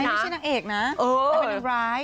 ไม่ใช่นางเอกนะแต่เป็นนางร้าย